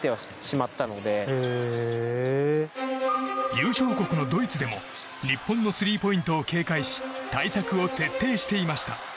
優勝国のドイツでも日本のスリーポイントを警戒し対策を徹底していました。